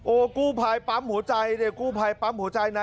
โอ้กูภัยปั๊มหัวใจเด็กกูภัยปั๊มหัวใจนะ